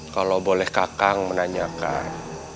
kalau boleh kakak menanyakan